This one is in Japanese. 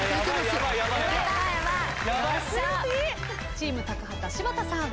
チーム高畑柴田さん。